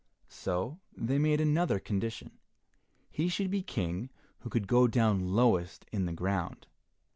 So they made another condition. He should be King who could go down lowest in the ground.